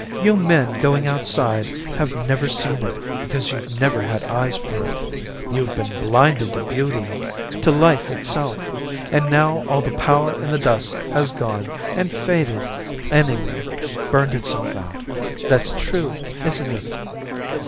"You men going outside have never seen it, because you've never had eyes for it. You've been blinded to beauty, to life itself. And now all the power in the dust has gone and faded, anyway, burned itself out. That's true, isn't it?"